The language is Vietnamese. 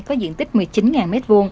có diện tích một mươi chín m hai